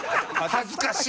恥ずかしい！